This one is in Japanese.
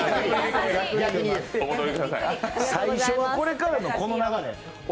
「最初はこれ！」からのこの流れ。